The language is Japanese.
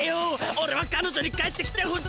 オレはかのじょに帰ってきてほしい。